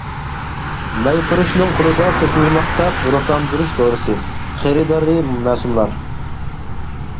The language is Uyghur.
مەيپۇرۇشنىڭ قولىدا سېتىلماقتا روھلاندۇرۇش دورىسى، خېرىدارى مەسۇملار.